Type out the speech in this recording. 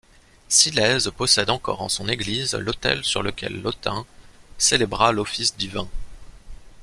Silèze possède encore en son église l'autel sur lequel Lautein célébra l'office divin.